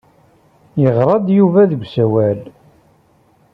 Yeɣra-d Yuba deg usawal.